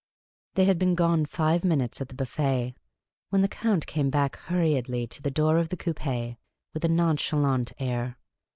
They had been gone five minutes at the biiffd, when the Count came back hurriedly to the door of the coupi with a nonchalant air.